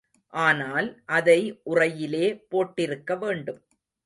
ஆனால், அதை உறையிலே போட்டிருக்க வேண்டும்.